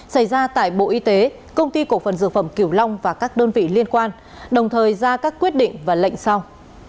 xảy ra tại bộ y tế công ty cổ phần dược phẩm kiểu long và các đơn vị liên quan đồng thời ra các quyết định và lệnh sau